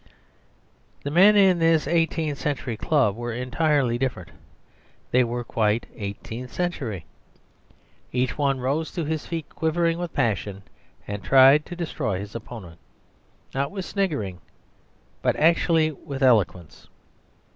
The men in this eighteenth century club were entirely different; they were quite eighteenth century. Each one rose to his feet quivering with passion, and tried to destroy his opponent, not with sniggering, but actually with eloquence.